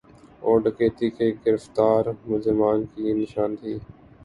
اور ڈکیتی کے گرفتار ملزمان کی نشاندہی